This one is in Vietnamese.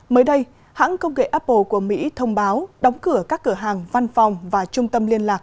mới đây hãng công nghệ apple của mỹ thông báo đóng cửa các cửa hàng văn phòng và trung tâm liên lạc